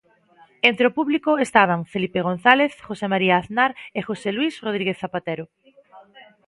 Entre o público estaban Felipe González, José María Aznar e José Luis Rodríguez Zapatero.